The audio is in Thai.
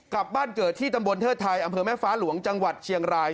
กลับบ้านเกิดที่ตำบลเทิดไทยอำเภอแม่ฟ้าหลวงจังหวัดเชียงราย